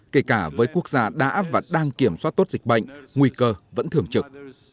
kể cả với quốc gia đã và đang kiểm soát tốt dịch bệnh nguy cơ vẫn thường trực